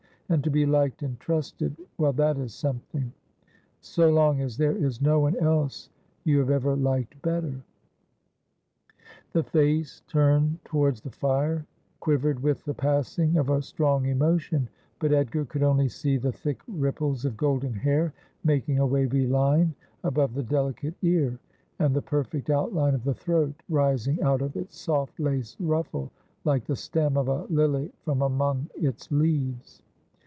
And to be liked and trusted well, that is something. So long as there is no one else you have ever liked better ' The face turned towards the fire quivered with the passing of a strong emotion, but Edgar could only see the thick ripples of golden hair making a wavy line above the delicate ear, and the perf act outline of the throat, rising out of its soft lace rufi3e like the stem of a lily from among its leaves.